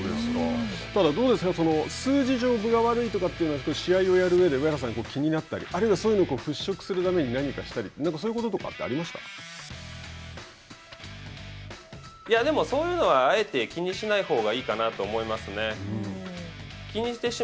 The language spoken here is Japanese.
ただ、どうですか数字上、分が悪いというのは試合をやる上で上原さん、気になったりあるいは、そういうのを払拭するために何かしたりそういうこととかってでも、そういうのはあえて気にしないほうがいいかなと思いますね。